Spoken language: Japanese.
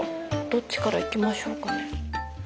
どっちからいきましょうか？